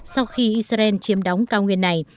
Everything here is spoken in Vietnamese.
sau khi israel chiếm đóng cao nguyên này